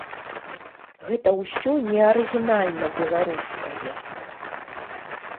Гэта ўсё не арыгінальна-беларускае.